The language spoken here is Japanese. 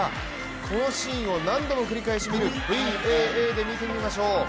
このシーンを何度も繰り返し見るＶＡＡで見てみましょう。